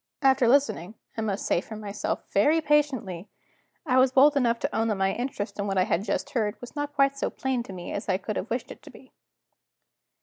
After listening (I must say for myself) very patiently, I was bold enough to own that my interest in what I had just heard was not quite so plain to me as I could have wished it to be.